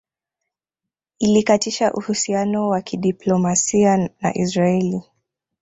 Ilikatisha uhusiano wa kidiplomasia na Israeli